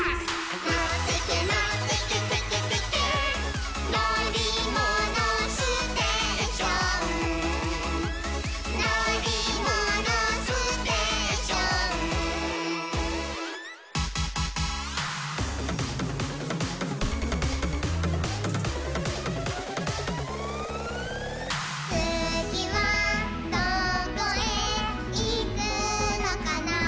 「のってけのってけテケテケ」「のりものステーション」「のりものステーション」「つぎはどこへいくのかな」